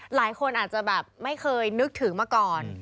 หลายคนอาจจะแบบไม่เคยนึกถึงมาก่อน